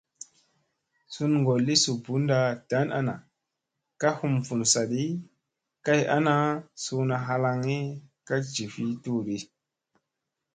Sungolli su bunɗa dan ana ka hum vun sadi kay ana, suuna halaŋgi ka jivi tuudi.